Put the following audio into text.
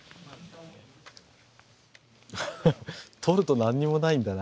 ハハハ取ると何にもないんだな。